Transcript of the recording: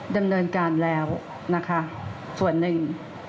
ดำเนินการแล้วนะคะส่วนหนึ่ง